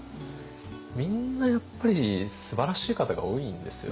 みんなやっぱりすばらしい方が多いんですよね。